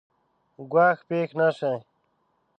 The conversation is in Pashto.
ګواښ پېښ نه شي.